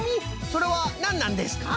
それはなんなんですか？